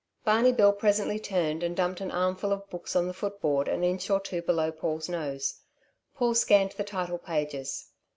Barney Bill presently turned and dumped an armful of books on the footboard an inch or two below Paul's nose. Paul scanned the title pages.